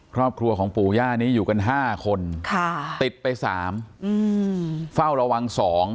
ครอบครัวของปู่ย่านี้อยู่กัน๕คนติดไป๓เฝ้าระวัง๒